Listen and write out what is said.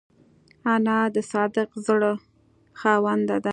انا د صادق زړه خاوند ده